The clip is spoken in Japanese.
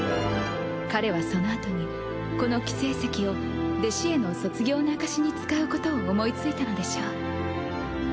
彼はそのあとにこの輝聖石を弟子への卒業の証しに使うことを思いついたのでしょう。